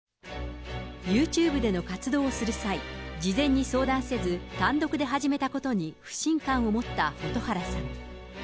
ユーチューブでの活動をする際、事前に相談せず、単独で始めたことに不信感を持った蛍原さん。